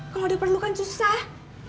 kalau udah perlu kan susah